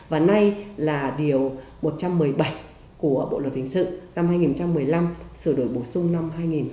và nay là điều một trăm một mươi bảy của bộ luật hình sự năm hai nghìn một mươi năm sửa đổi bổ sung năm hai nghìn một mươi bảy